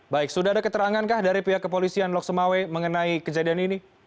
baik sudah ada keterangan kah dari pihak kepolisian loksemawe mengenai kejadian ini